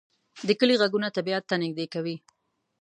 د کلی غږونه طبیعت ته نږدې کوي